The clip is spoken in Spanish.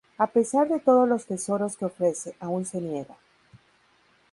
A pesar de todos los tesoros que ofrece, aún se niegan.